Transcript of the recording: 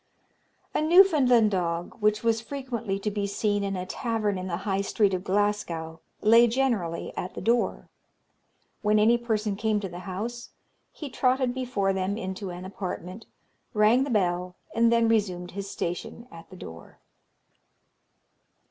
A Newfoundland dog, which was frequently to be seen in a tavern in the High Street of Glasgow, lay generally at the door. When any person came to the house, he trotted before them into an apartment, rang the bell, and then resumed his station at the door.